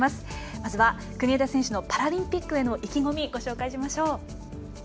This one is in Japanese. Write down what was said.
まずは国枝選手のパラリンピックへ意気込みご紹介しましょう。